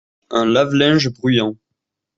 Un lave-linge bruyant.